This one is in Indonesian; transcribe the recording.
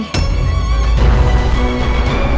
apa itu alah allah